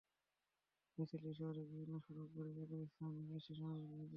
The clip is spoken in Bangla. মিছিলটি শহরের বিভিন্ন সড়ক ঘুরে একই স্থানে এসে সমাবেশে মিলিত হয়।